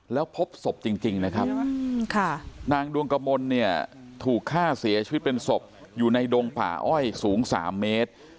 แล้วพบศพจริงนะครับนางดวงกมลเนี่ยถูกฆ่าเสียชีวิตเป็นศพอยู่ในดงป่าอ้อยสูง๓เมตร